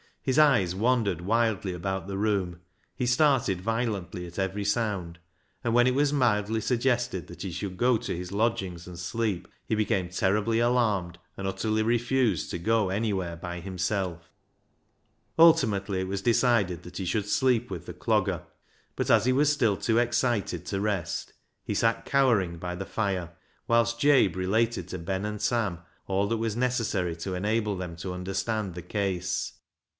His eyes wandered wildly about the room ; he started violently at every sound ; and when it was mildly suggested that he should go to his lodgings and sleep, he became terribly alarmed, and utterly refused to go anywhere by himself. Ultimately it was decided that he should sleep with the C logger, but as he was still too excited to rest, he sat cowering by the fire, whilst Jabe related to Ben and Sam all that was necessary to enable them to understand the case.